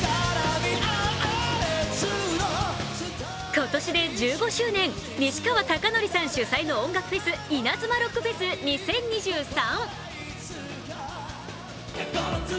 今年で１５周年、西川貴教さん主催の音楽フェスイナズマロックフェス２０２３。